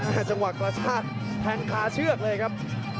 มองสังวัติศาสตร์ทางคล้าเชือกเลยครับ